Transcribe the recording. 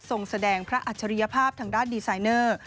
แสดงพระอัจฉริยภาพทางด้านดีไซเนอร์